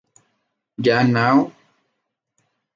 Ya Know?